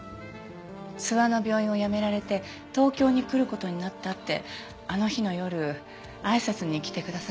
諏訪の病院を辞められて東京に来る事になったってあの日の夜挨拶に来てくださって。